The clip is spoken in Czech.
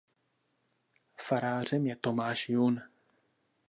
Farářem je Tomáš Jun.